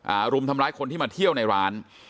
รุมทำร้ายคนที่มาเที่ยวในร้าน